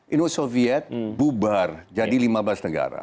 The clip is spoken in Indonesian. uni soviet bubar jadi lima belas negara